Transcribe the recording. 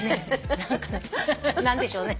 何か何でしょうね。